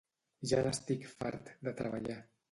Ja n'estic fart, de treballar.